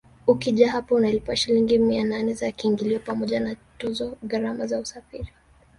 Ukija hapa unalipa Shilingi mia nane za kiingilio pamoja na tozo gharama za usafiri